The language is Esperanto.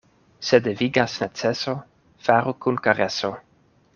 Se devigas neceso, faru kun kareso.